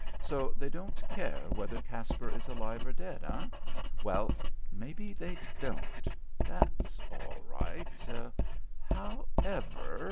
"So they don't care whether Caspar is alive or dead, eh? Well ... maybe they don't.... That's all right.... However